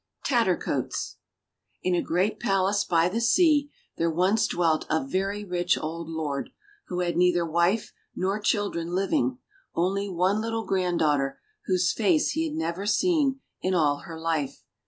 TATTERCOATS IN a great Palace by the sea there once dwelt a very rich old lord, who had neither wife nor children living, only one little granddaughter, whose face he had never seen in all her life.